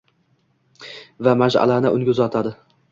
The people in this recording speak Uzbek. Va mash’alani unga uzatadi.